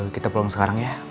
kita pulang sekarang ya